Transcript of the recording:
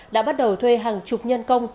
đã bắt đầu thuê hàng chục nhân công